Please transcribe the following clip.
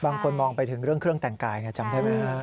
บางคนมองไปถึงเรื่องเครื่องแต่งกายไงจำได้ไหมฮะ